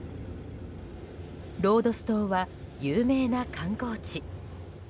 ロードス島は有名な観光地。